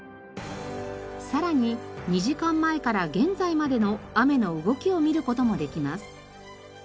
さらに２時間前から現在までの雨の動きを見る事もできます。